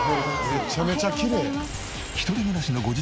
めちゃめちゃきれい。